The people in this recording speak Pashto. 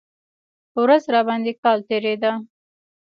ورځ راباندې کال تېرېده.